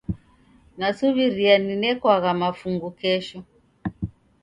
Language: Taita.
Nasuw'iria ninekwagha mafungu kesho.